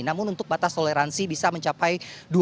namun untuk batas toleransi bisa mencapai dua ribu lima ratus